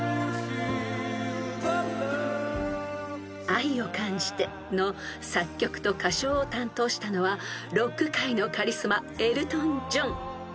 ［『愛を感じて』の作曲と歌唱を担当したのはロック界のカリスマエルトン・ジョン］